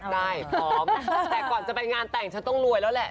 ได้พร้อมแต่ก่อนจะไปงานแต่งฉันต้องรวยแล้วแหละ